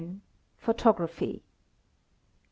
— Photography. .